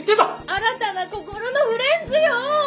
新たな心のフレンズよ。